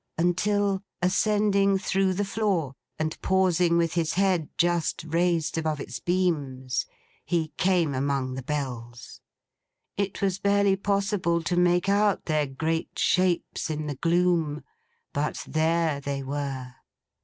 Until, ascending through the floor, and pausing with his head just raised above its beams, he came among the Bells. It was barely possible to make out their great shapes in the gloom; but there they were.